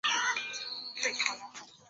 平时公爵也能用手上的枪枝直接敲人。